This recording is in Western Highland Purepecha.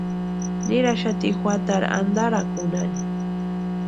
Ninhaxati juatarhu antarakunhani.